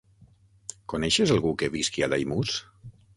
Coneixes algú que visqui a Daimús?